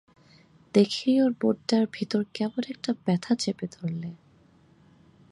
দেখেই ওর মনটার ভিতর কেমন একটা ব্যথা চেপে ধরলে।